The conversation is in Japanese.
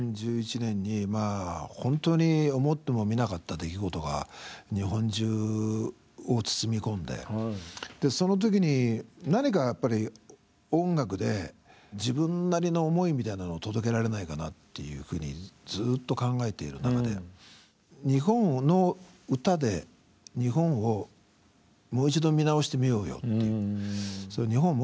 ２０１１年に本当に思ってもみなかった出来事が日本中を包み込んでその時に何かやっぱり音楽で自分なりの思いみたいなのを届けられないかなっていうふうにずっと考えている中で日本の歌で日本をもう一度見直してみようよって日本